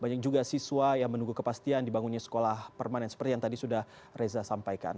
banyak juga siswa yang menunggu kepastian dibangunnya sekolah permanen seperti yang tadi sudah reza sampaikan